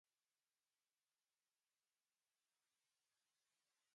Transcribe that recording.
This might indicate that Bonifacius was dead by that time.